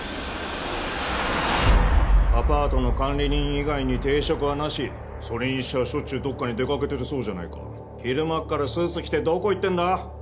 アパートの管理人以外に定職はなしそれにしちゃしょっちゅうどっかに出かけてるそうじゃないか昼間っからスーツ着てどこ行ってんだ？